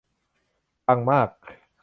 ปังมาก